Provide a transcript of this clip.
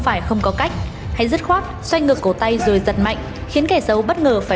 phải không có cách hay dứt khoác xoay ngược cổ tay rồi giật mạnh khiến kẻ xấu bất ngờ phải